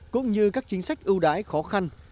cũng như các chính sách ưu đãi khó khăn